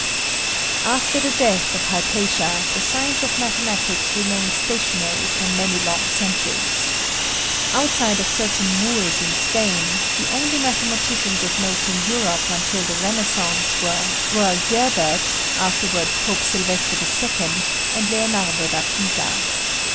After the death of Hypatia the science of mathematics remained stationary for many long centuries. Outside of certain Moors in Spain, the only mathematicians of note in Europe, until the Renaissance, were Gerbert, afterward Pope Silvester II, and Leonardo da Pisa.